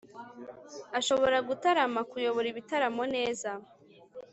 ashobora gutarama, kuyobora ibitaramo neza